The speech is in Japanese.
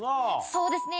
そうですね